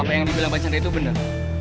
apa yang dibilang pak chandra itu benar